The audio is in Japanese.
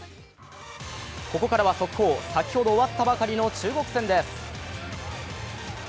ここからは速報、先ほど終わったばかりの中国戦です。